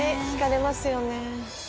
引かれますよね。